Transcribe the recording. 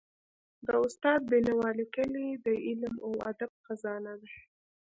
د استاد بینوا ليکني د علم او ادب خزانه ده.